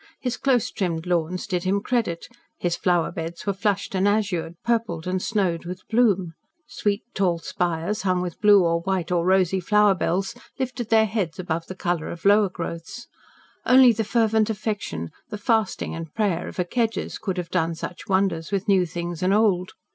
His close trimmed lawns did him credit, his flower beds were flushed and azured, purpled and snowed with bloom. Sweet tall spires, hung with blue or white or rosy flower bells, lifted their heads above the colour of lower growths. Only the fervent affection, the fasting and prayer of a Kedgers could have done such wonders with new things and old.